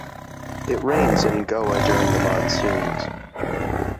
It rains in Goa during the monsoons.